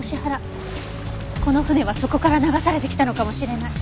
この舟はそこから流されてきたのかもしれない。